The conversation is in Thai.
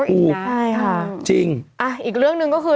ถูกใช่ค่ะจริงอ่ะอีกเรื่องหนึ่งก็คือ